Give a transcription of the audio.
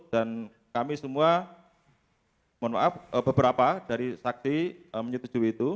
dan kami semua mohon maaf beberapa dari saksi menyetujui itu